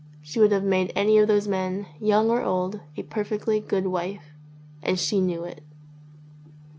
She would have made any of those men, young or old, a perfectly good wife. And she knew it.